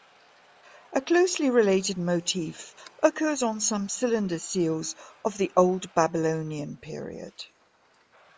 A closely related motif occurs on some cylinder seals of the Old Babylonian period.